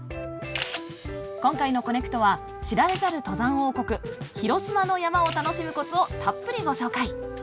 今回の「コネクト」は知られざる登山王国広島の山を楽しむコツをたっぷりご紹介！